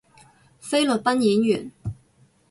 菲律賓演員